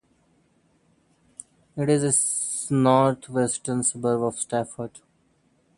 It is a north-western suburb of Stafford.